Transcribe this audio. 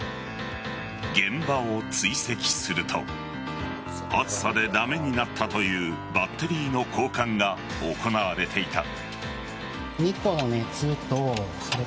現場を追跡すると暑さで駄目になったというバッテリーの交換が行われていた。